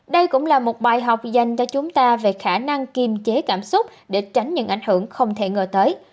đây cũng là một bài học dành cho chúng ta về khả năng kiềm chế cảm xúc để tránh những ảnh hưởng không thể ngờ tới